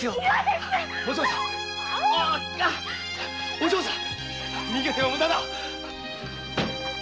お嬢さん逃げても無駄だ。